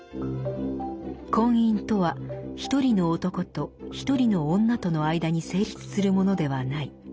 「婚姻とはひとりの男とひとりの女との間に成立するものではない。